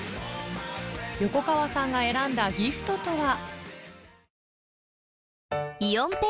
横川さんが選んだギフトとは？